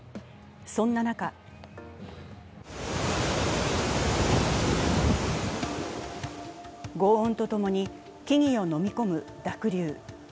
そんな中ごう音とともに木々を飲み込む濁流。